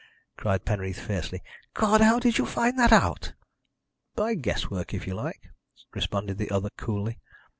cried Penreath fiercely. "God! how did you find that out?" "By guess work, if you like," responded the other coolly.